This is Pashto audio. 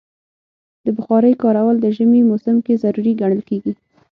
د بخارۍ کارول د ژمي موسم کې ضروری ګڼل کېږي.